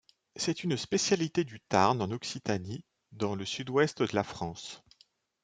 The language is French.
C'est une spécialité du Tarn, en Occitanie, dans le sud-ouest de la France.